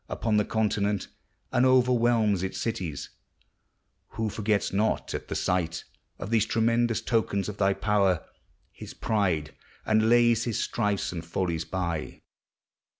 22* Upon the continent, and overwhelms Its cities, — who forgets not, at the sight Of these tremendous tokens of thy power, His pride, and lays his strifes and follies by?